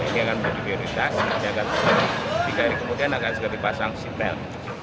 ini akan menjadi prioritas nanti akan dikali kemudian akan segera dipasang sipel